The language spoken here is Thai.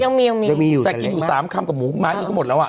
ยังมียังมีอยู่แต่กินอยู่สามคำกับหมูไม้มันก็หมดแล้วอ่ะ